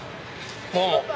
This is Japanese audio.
どうも。